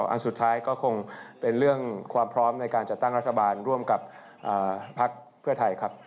อันสุดท้ายก็คงเป็นเรื่องความพร้อมในการจัดตั้งรัฐบาลร่วมกับพักเพื่อไทยครับ